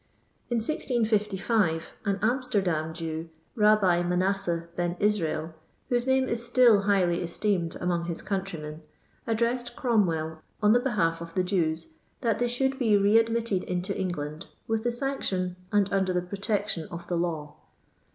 In 1655 an Amsterdam Jew, Babbi Hanasseh Ben Israel, whoee name is still highly esteemed among his countrymen, addressed Cromwell on the behalf of the Jews that they should be le adraitted into England with the sanction, and under the protection, of the law.